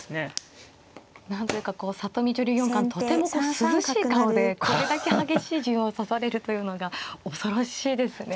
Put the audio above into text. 何と言うか里見女流四冠とても涼しい顔でこれだけ激しい順を指されるというのが恐ろしいですね。